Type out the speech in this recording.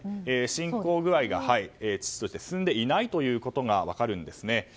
侵攻具合が遅々として進んでいないということが分かるんですね。